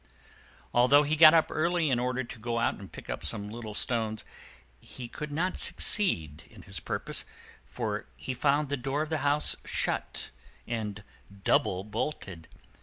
Although he got up early in order to go out and pick up some little stones, he could not succeed in his purpose, for he found the door of the house shut and double bolted.